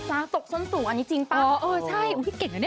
กับเพลงที่มีชื่อว่ากี่รอบก็ได้